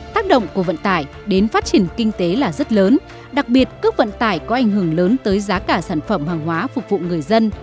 tác động của vận tải đến phát triển kinh tế là rất lớn đặc biệt cước vận tải có ảnh hưởng lớn tới giá cả sản phẩm hàng hóa phục vụ người dân